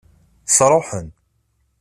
Sṛuḥen.